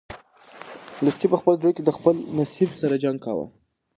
لښتې په خپل زړه کې د خپل نصیب سره جنګ کاوه.